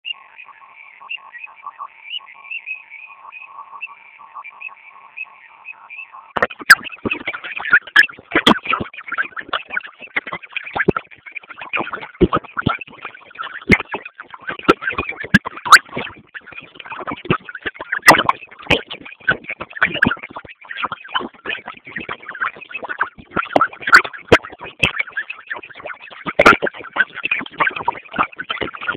Uvimbe wenye maumivu kwenye koo ngozi ya shingoni